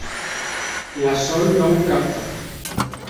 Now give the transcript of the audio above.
La Sol no ho capta.